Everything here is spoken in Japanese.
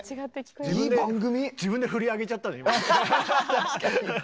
確かに。